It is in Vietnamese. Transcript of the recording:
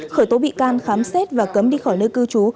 khởi tố bị can khám xét và cấm đi khỏi nơi cư trú